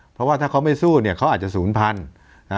เพราะว่าถ้าเขาไม่สู้เนี่ยเขาอาจจะศูนย์พันธุ์